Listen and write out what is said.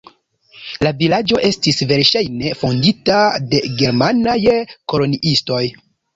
La vilaĝo estis verŝajne fondita de germanaj koloniistoj.